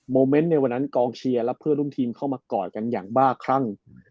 เมนต์ในวันนั้นกองเชียร์และเพื่อนร่วมทีมเข้ามากอดกันอย่างบ้าครั่ง